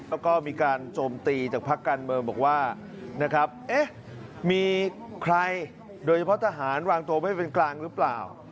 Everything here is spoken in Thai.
แล้วก็มีการโจมตีจากพักการเมืองบอกว่านะครับเอ๊ะมีใครโดยเฉพาะทหารวางตัวไม่เป็นกลางหรือเปล่า